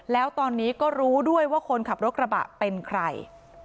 แล้วตอนนี้ก็รู้ด้วยว่าคนขับรถกระบะเป็นใคร